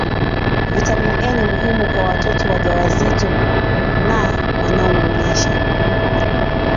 viatamin A ni muhimu kwa watoto wajawazito na wanaonyonyesha